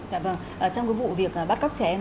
dạ vâng trong cái vụ việc bắt cóc trẻ em